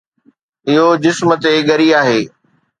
اهو جسم تي ڳري آهي